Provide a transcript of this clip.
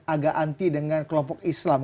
agak anti dengan kelompok islam